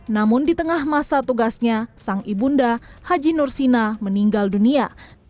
namun di tengah masa tugasnya sang ibunda haji nursina meninggal dunia